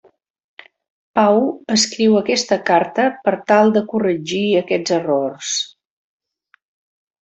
Pau escriu aquesta carta per tal de corregir aquests errors.